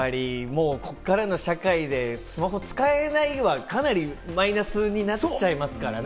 ここからの社会でスマホ使えないのは、かなりマイナスになっちゃいますからね。